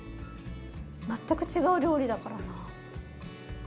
全く違う料理だからな。